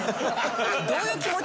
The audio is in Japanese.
どういう気持ち？